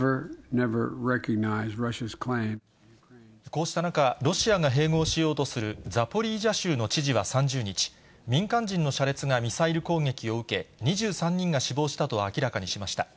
こうした中、ロシアが併合しようとするザポリージャ州の知事は３０日、民間人の車列がミサイル攻撃を受け、２３人が死亡したと明らかにしました。